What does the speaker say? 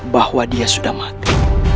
bahwa dia sudah mati